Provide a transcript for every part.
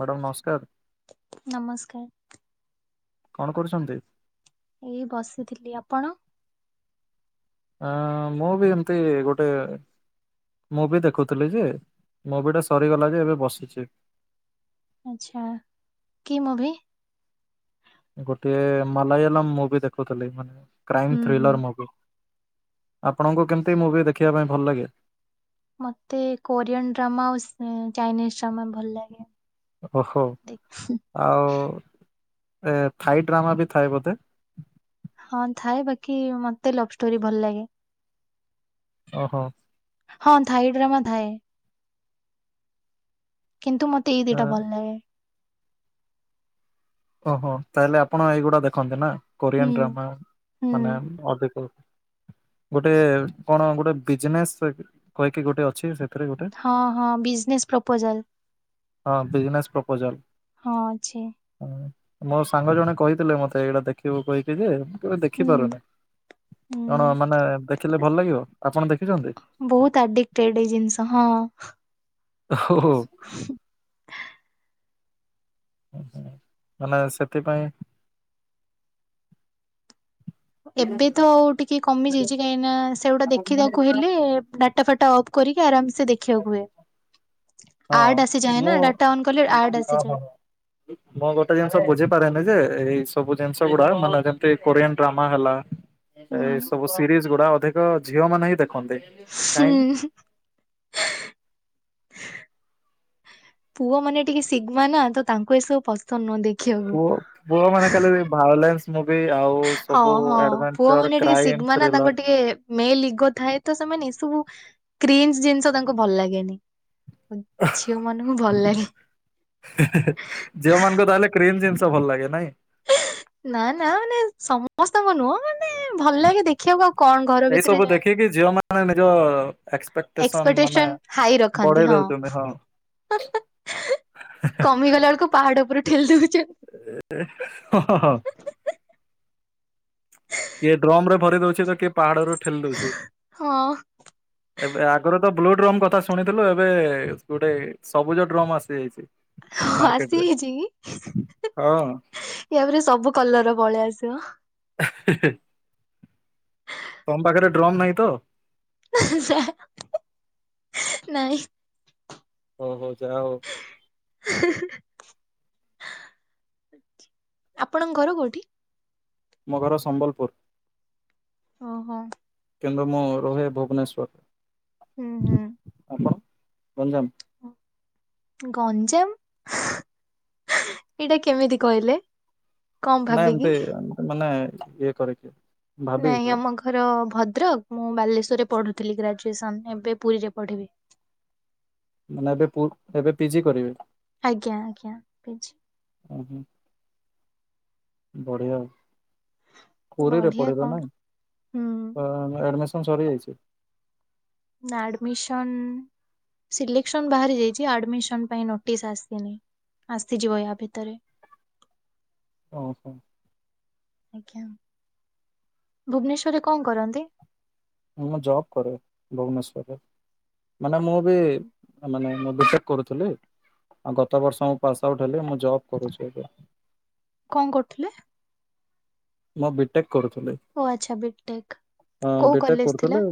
Madam ନମସ୍କାର। ନମସ୍କାର। କଣ କରୁଛନ୍ତି? ଏଇ ବସିଥିଲି ଆପଣ? ଅ ମୁଁ ବି ଏମତି ଗୋଟେ ମୁଭି ଦେଖୁଥିଲି ଯେ ମୁଭି ଟା ସରିଗଲା ଯେ ଏବେ ବସିଛି। ଆଛା କି ମୁଭି? ଗୋଟେ ମାଲାୟାଲମ୍ ମୁଭି ଦେଖୁଥିଲି ମାନେ କ୍ରାଇମ୍ ହୁଁ ହୁଁ ଥ୍ରିଲର ମୁଭି। ଆପଣଙ୍କୁ କେମିତି ମୁଭି ଦେଖିବା ପାଇଁ ଭଲ ଲାଗେ? ମତେ କୋରିଆନ ଡ୍ରାମା ଆଉ ଚାଇନିଜ ଡ୍ରାମା ଭଲ ଲାଗେ। ଓହୋ ଦେଖ- ଆଉ ଏ ଥାଇ ଡ୍ରାମା ବି ଥାଏ ବୋଧେ। ହଁ ଥାଏ ବାକି ମତେ ଲଭ୍ ଷ୍ଟୋରି ଭଲ ଲାଗେ। ଓହୋ। ହଁ ଥାଇ ଡ୍ରାମା ଥାଏ। କିନ୍ତୁ ମତେ ଏଇ ଏ ଦିଇଟା ଭଲ ଲାଗେ। ଓହୋ ତାହେଲେ ଆପଣ ଏଇଗୁଡା ଦେଖନ୍ତି ନା ହୁଁ କୋରିଆନ୍ ଡ୍ରାମା ହୁଁ ମାନେ ଅଧିକ ଗୋଟିଏ କଣ ଗୋଟେ ବିଜନେସ୍ କହିକି ଗୋଟେ ଅଛି ସେ ହଁ ହଁ ବିଜନେସ୍ ପ୍ରପୋଜାଲ୍। ହଁ ବିଜନେସ୍ ପ୍ରପୋଜାଲ୍। ହଁ ଅଛି। ହ ମୋ ସାଙ୍ଗ ଜଣେ କହିଥିଲେ ମତେ ଏଇଟା ଦେଖିବୁ କହିକି ଯେ କେବେ ହୁଁ ଦେଖିପାରୁନି କଣ ହୁଁ। ମାନେ ଦେଖିଲେ ଭଲ ଲାଗିବ ଆପଣ ଦେଖିଛନ୍ତି। ବହୁତ୍ ଆଡିକଟେଡ୍ ଏଇ ଜିନିଷ ହଁ। ଓ ହୋ [unintelligible] [unintelligible] [unintelligible] ମାନେ ସେଥିପାଇଁ ଏବେ ତ ଆଉ ଟିକେ କମି ଯାଇଛି କାହିଁକିନା ସେଗୁଟା ଦେଖିଦାକୁ ହେଲେ ଏ ଡାଟା ଫାଟା ଅଫ୍ କରିକି ଆରାମସେ ଦେଖିବାକୁ ହୁଏ। ଆର୍ଡ ହଁ ଆସିଯାଏ ମୁଁ ନା ଡାଟା ଅନ୍ କଲେ ଆର୍ଡ ହଁ ହଁ ଆସିଯାଏ। ମୁଁ ଗୋଟେ ଜିନିଷ ବୁଝି ପାରେନି ଯେ ଏଇ ସବୁ ଜିନିଷ ଗୁଡା ମାନେ ଯେମିତି କୋରିଆନ୍ ଡ୍ରାମା ହେଲା ହୁଁ ଏଇ ସବୁ ସିରିଜ ଗୁଡା ଅଧିକ ଝିଅ ମାନେ ହିଁ ଦେଖନ୍ତି। କାହିଁକି ହୁଁ [unintelligible] [inaudible] ପୁଅ ମାନେ ଟିକେ ଶିଘ୍ମା ନା ତ ତାଙ୍କୁ ଏସବୁ ପସନ୍ଦ ତ ନ ଦେଖିବାକୁ ପୁଅ ପୁଅ ମାନେ କେବେ ବି ଭଉଳେନ୍ସ ମୁଭି ଆଉ ହଁ ସବୁ ହଁ ପୁଅ ଆଡଭେଞ୍ଚର ମାନେ ଟିକେ କ୍ରାଇମ ଶିଗ୍ମା ନା ଥ୍ରିଲର ତାଙ୍କର ଟିକେ ମେଲ୍ ଇଗୋ ଥାଏ ତ ସେମାନେ ଏ ସବୁ କ୍ରିନସ୍ ଜିନିଷ ତାଙ୍କୁ ଭଲ ଲାଗେନି। ଝିଅ ମାନଙ୍କୁ ଭଲ ଲାଗେ। ଝିଅମାନଙ୍କ ତାହଲେ କ୍ରିମ ଜିନିଷ ଭଲ ଲାଗେ, ନାଇଁ? ନା ନା ମାନେ ସମସ୍ତଙ୍କୁ ନୁହଁ ମାନେ ଭଲ ଲାଗେ ଦେଖିବାକୁ ଆଉ କଣ ଘର ଭିତରେ ଯା ଝିଅମାନ େ [unintelligible] ଏକ୍ସପେଟେସନ ହାଇ ରଖନ୍ତି। ହଁ। କମିଗଲା ବେଳକୁ ପାହାଡ ଉପରୁ ଠେଲି ଦଉଚି। ଏ ହଁ, ହଁ, ହଁ। କିଏ ଡ୍ରମ ରେ ଭରି ଦଉଛି, ତ କିଏ ପାହାଡରୁୁ ଠେଲି ଦଉଛି। ହଁ ଏବେ ଆଗରୁ ତ ବ୍ଲୁ ଡ୍ରୋମ କଥା ଶୁଣିଥିଲୁ ଏବେ ଗୋଟେ ସବୁଜ ଡ୍ରୋମ ଆସିଯାଇଛି। ହଁ, ଆସି ମାର୍କେଟରେ ଯାଇଛି କି? ହଁ ଇଆପରେ ରେ ସବୁ କଲର ର ପଳେଇ ଆସିବ। ହେ, ହେ ତମ ପାଖରେ ଡ୍ରମ୍ ନାହିଁ ତ? ନାଁ ନାଇଁ। ଓହୋ। ଯା ହଉ। ଆପଣଙ୍କ ଘର କୋଉଠି? ମୋ ଘର ସମ୍ବଲପୁର। ଓହୋ। କିନ୍ତୁ ମୁଁ ରୁହେ ଭୁବନେଶ୍ୱର। ଉଁ, ହୁଁ। ଗଞ୍ଜାମ। ଗଞ୍ଜାମ, ଏଇଟା କେମିତି କହିଲେ? କଣ ନାଇଁ ଭାବିକି ଏମତି ଏତି ମାନେ ଇଏ କରିକି ଭାବିକି ନାଇଁ କହିଲି ଆମ ଘର ଭଦ୍ରକ। ମୁଁ ବାଲେଶ୍ୱରରେ ପଢୁଥିଲି। ଗ୍ରାଜୁଏସନ ଏବେ ପୁରୀରେ ପଢ଼ିବି। ମାନେ ଏବେ ପୁ ଏବେ ପିଜି କରିବେ? ଆଜ୍ଞା, ଆଜ୍ଞା, ପି ଜି। ଉଁହୁଁ, ବଢିଆ ଆଉ। ପୁରୀରେ ବଢିଆ ପଢିବା କଣ ନାଇଁ, ତ ହୁଁ ଆଡମିସନ ସରିଯାଇଛି? ନା ଆଡ଼ମିସନ ସିଲେକ୍ସନ ବାହାରି ଯାଇଚି। ଆଡମିସନ ପାଇଁ ନୋଟିସ ଆସିନି। ଆସିଯିବ ୟା ଭିତରେ। ଓହୋ। ଆଜ୍ଞା, ଭୁବନେଶ୍ୱରରେ କଣ କରନ୍ତି? ମୁଁ ଜବ୍ କରେ ଭୁବନେଶ୍ଵରରେ। ମାନେ ମୁଁ ବି ମାନେ ମୁଁ ବିଟେକ୍ କରୁଥିଲି। ଆଉ ଗତ ବର୍ଷ ମୁ ପାସ ଆଉଟ ହେଲି। ମୁଁ ଜବ କରୁଚି ଏବେ। କଣ କରୁଥିଲେ? ମୁଁ ବିଟେକ୍ କରୁଥିଲି। ଓ ଆଚ୍ଛା ବିଟେକ୍ ହଁ, କୋଉ ବିଟେକ୍ କଲେଜ ଥିଲା କରୁଥିଲି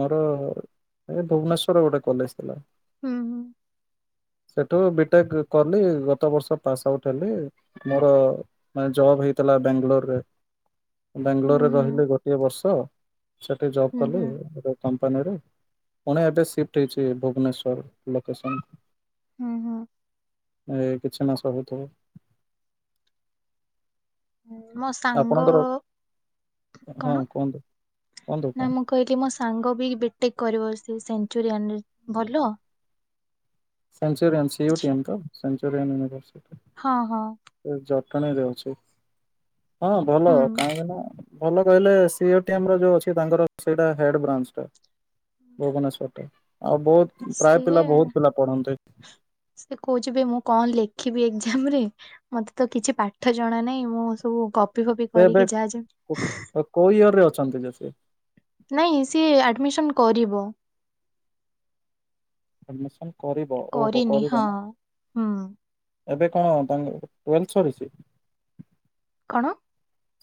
ମୋର ଏ ଭୁବନେଶ୍ୱରର ଗୋଟେ କଲେଜ ଥିଲା। ହୁଁ ହୁଁ। ସେଠୁ ବିଟେକ୍ କଲି, ଗତ ବର୍ଷ ପାସ୍ ଆଉଟ୍ ହେଲି ମୋର ମାନେ ଜବ୍ ହେଇଥିଲା ବାଙ୍ଗାଲୋର ହୁଁ ବାଙ୍ଗାଲୋରରେ ହୁଁ। ରହିଲି ଗୋଟିଏ ବର୍ଷ, ସେଠି ଜବ୍ ହୁଁ କଲି। ହୁଁ କମ୍ପାନୀରେ ପୁଣି ଏବେ ସିଫ୍ଟ୍ ହେଇଛି ଭୁବନେଶ୍ଵର ଲୋକେସନ। ହୁଁ, ହୁଁ। ଏ କିଛି ମାସ ହେଉଥିବ ମୋ ସାଙ୍ଗ ଆପଣଙ୍କର ହଁ କଣ କୁହନ୍ତୁ କୁହନ୍ତୁ ନା କୁହନ୍ତୁ ମୁଁ କହିଲି ମୋ ସାଙ୍ଗ ବି ବିଟେକ୍ କରିବ ସେ ସେଞ୍ଚୁରିଆନରେ ଭଲ? Centurion C U T M ତ ସେଞ୍ଚୁରିୟନ୍ ୟୁନିଭରସିଟି। ହଁ ହଁ। ସେ ଜଟଣୀ ରେ ଅଛି, ହଁ ଭଲ ହୁଁ କାହିଁକି ନା ଭଲ କହିଲେ ସି ୟୁ ଟି ଏମ୍ ର ଯୋଉ ଅଛି ତାଙ୍କର ସେଇଟା ହେଡ୍ ବ୍ରାଞ୍ଚ ଟା। ଭୁବନେଶ୍ଵର ଟା ଆଉ ବହୁତ ପ୍ରାୟ ସିଏ ପିଲା ବହୁତ ପିଲା ପଢନ୍ତି। ସେ କହୁଛିିବେ ମୁଁ କଣ ଲେଖିବି ଏକ୍ଜାମ୍ ରେ? ମତେ ତ କିଛି ପାଠ ଜଣା ନାହିଁ ମୁଁ ସବୁ ଗ ସେ ଏବେ କୋ କୋଉ ଇୟର୍ ରେ ଅଛନ୍ତି ଯେ ସେ? ନାଇଁ ସିଏ ଆଡମିସନ କରିବ। ଆଡ୍ମିସନ କରିବ ଓହୋ କରିନି ହଁ କରିବ ନା। ହୁଁ। ଏବେ କଣ ତାଙ୍କ ଟୁଏଲ୍ ସରିଛି? କଣ?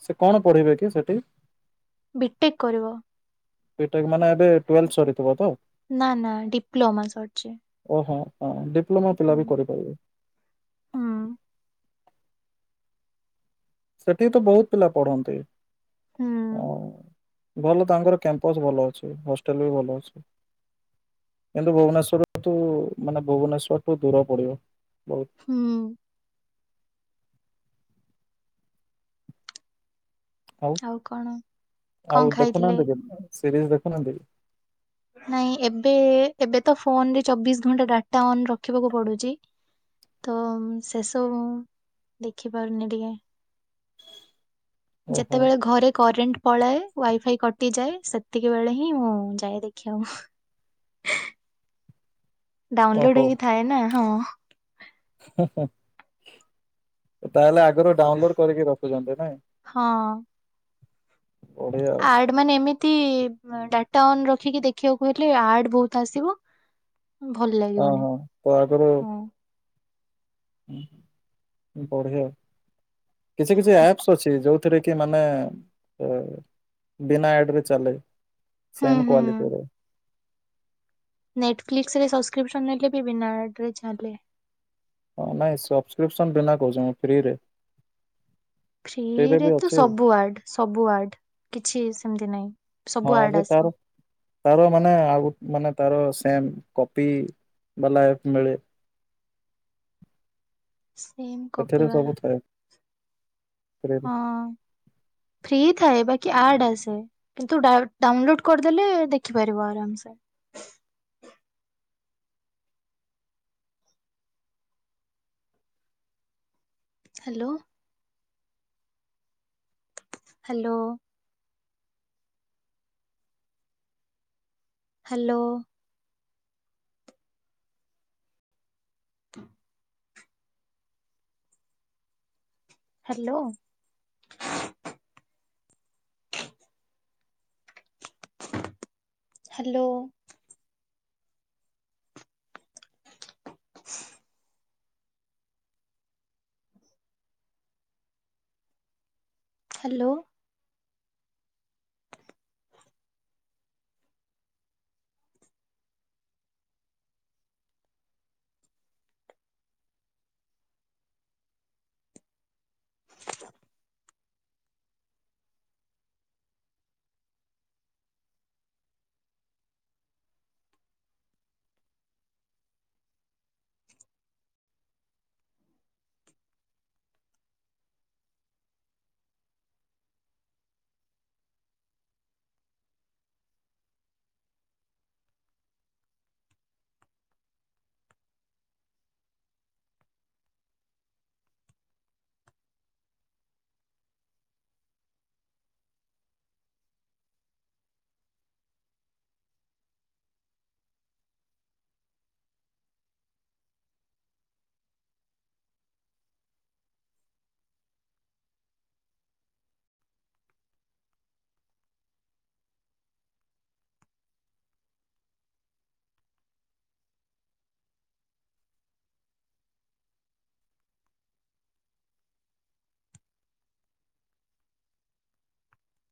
ସେ କଣ ପଢିବେ କି ସେଠି? ବି ଟେକ୍ କରିବ। ବିଟେକ୍ ମାନେ ଏବେ ଟୁଏଲ୍ବ ସରିଥିବ ତ? ନା ନା ଡିପ୍ଲୋମା ସରିଛି। ଓହୋ ହଁ ଡିପ୍ଲୋମା ପିଲା ବି ହୁଁ କରିପାରିବେ। ହୁଁ ସେଠି ତ ବହୁତ ପିଲା ପଢନ୍ତି। ହୁଁ। ଆଉ ଭଲ ତାଙ୍କର କ୍ୟାମ୍ପସ୍ ଭଲ ଅଛି ହଷ୍ଟେଲ ବି ଭଲ ଅଛି। କିନ୍ତୁ ଭୁବନେଶ୍ଵର ଠୁ ମାନେ ଭୁବନେଶ୍ଵର ଠୁ ଦୂର ପଡିବ ବହୁତ। ହୁଁ। ଆଉ କଣ ଆଉ ଖାଇଥିଲେ? ଦେଖୁନାହାନ୍ତି କି ସିରିଜ ଦେଖୁନାହାନ୍ତି କି? ନାଇଁ ଏବେ ଏବେ ତ ଫୋନ୍ ରେ ଚବିଶ ଘଣ୍ଟା ଡାଟା ଅନ୍ ରଖିବାକୁ ପଡୁଛି। ତ ସେସବୁ ଦେଖି ପାରୁନି ଟିକେ। ଓହୋ ଯେତେବେଳେ ଘରେ କରେଣ୍ଟ ପଳାଏ ୱାଇଫାଇ କଟିଯାଏ ସେତିକି ବେଳେ ହିଁ ମୁଁ ଯାଏ ଦେଖିବାକୁ। ଡାଉନଲୋଡ ଓହୋ ହେଇକି ଥାଏ ନା ହଁ। ହୁଁ ହୁଁ ତାହେଲେ ଆଗରୁ ଡାଉନଲୋଡ କରିକି ରଖୁଛନ୍ତି ନା? ହଁ। ବଢିଆ ଆଉ। ଆଡ୍ ମାନେ ଏମିତି ଡାଟା ଅନ୍ ରଖିକି ଦେଖିବାକୁ ହେଲେ ଆଡ୍ ବହୁତ ଆସିବ। ଭଲ୍ ହଁ ଲାଗିବନି ହଁ ତ ହୁଁ। ଉଁ ବଢିଆ କିଛି କିଛି ଆପ୍ସ ଅଛି ଯୋଉ ଥିରେକି ମାନେ ଏ ବିନା ଆଡ୍ ରେ ଚାଲେ। ହୁଁ ସେମ୍ ହୁଁ। କ୍ୱାଲିଟି ରେ। ନେଟଫ୍ଲିକ୍ସ ରେ ସବ୍ ସ୍କ୍ରିପସନ ନେଲେ ବି ବିନା ଆଡ୍ ରେ ଚାଲେ। ହଁ ନାଇଁ ସବସ୍କ୍ରିପସନ୍ ବିନା କହୁଛି ମୁଁ ଫ୍ରିରେ। ଫ୍ରି ଫ୍ରିରେ ରେ ବି ତ ଅଛି ସବୁ ଆଡ୍ ସବୁ ଆଡ୍। କିଛି ସେମିତି ନାହିଁ ହଁ ସବୁ ଯେ ଆଡ୍ ତାର ଆସିବ। ତାର ମାନେ ଆଉ ମାନେ ତାର ସେମ୍ କପି ବାଲା ଏ ମିଳେ। ସେମ୍ କପି ସେଥିରେ ସବୁ ବାଲା। [unintelligible] ହଁ ଫ୍ରି ଥାଏ ବାକି ଆଡ୍ ଆସେ। କିନ୍ତୁ ଡାଉ ଡାଉନଲୋଡ କରିଦେଲେ ଦେଖିପାରିବ ଆରାମସେ। ହାଲୋ। ହାଲୋ। ହାଲୋ। ତ ହାଲୋ। ହାଲୋ। [inaudible] ହାଲୋ।